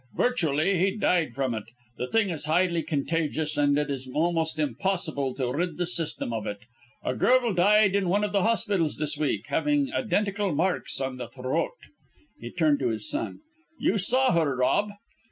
Virtually he died from it. The thing is highly contagious, and it is almost impossible to rid the system of it. A girl died in one of the hospitals this week, having identical marks on the throat." He turned to his son. "You saw her, Rob?"